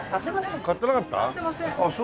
買ってなかった？